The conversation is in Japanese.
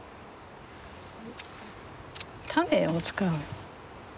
種を使う。